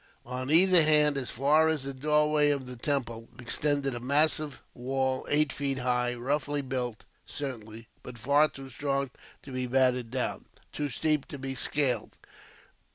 On either hand, as far as the doorway of the temple, extended a massive wall, eight feet high; roughly built, certainly, but far too strong to be battered down, too steep to be scaled.